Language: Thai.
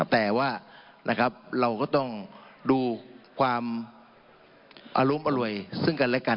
แต่ว่าเราก็ต้องดูความอารุมอร่วยซึ่งกันและกัน